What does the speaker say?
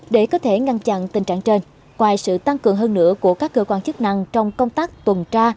để có thể ngăn chặn tình trạng trên ngoài sự tăng cường hơn nữa của các cơ quan chức năng trong công tác tuần tra